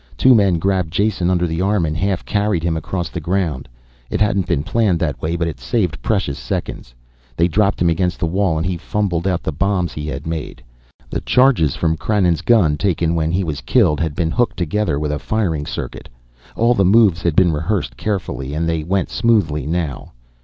Two men grabbed Jason under the arm and half carried him across the ground. It hadn't been planned that way, but it saved precious seconds. They dropped him against the wall and he fumbled out the bombs he had made. The charges from Krannon's gun, taken when he was killed, had been hooked together with a firing circuit. All the moves had been rehearsed carefully and they went smoothly now.